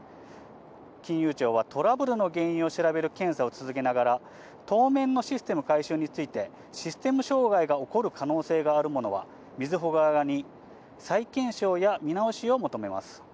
金融庁は、トラブルの原因を調べる検査を続けながら、当面のシステム改修について、システム障害が起こる可能性があるものは、みずほ側に再検証や見直しを求めます。